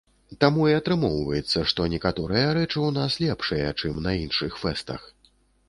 Таму і атрымоўваецца, што некаторыя рэчы ў нас лепшыя, чым на іншых фэстах.